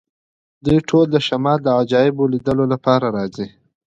دوی ټول د شمال د عجایبو لیدلو لپاره راځي